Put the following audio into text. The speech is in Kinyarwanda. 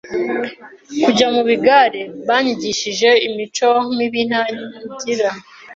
kujya mu bigare banyigisha imico mibi ntangira